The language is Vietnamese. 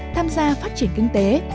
tham gia phát triển kinh tế